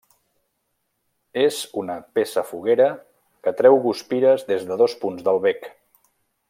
És una peça foguera que treu guspires des de dos punts del bec.